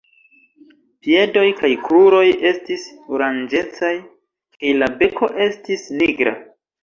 Piedoj kaj kruroj estis oranĝecaj kaj la beko estis nigra.